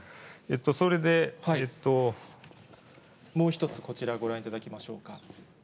それで、もう一つこちら、ご覧いただきましょうか。